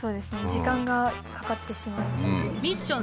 時間がかかってしまうっていう。